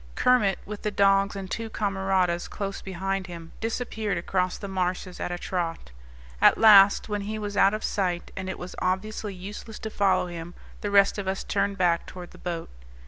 Kermit, with the dogs and two camaradas close behind him, disappeared across the marshes at a trot. At last, when he was out of sight, and it was obviously useless to follow him, the rest of us turned back toward the boat.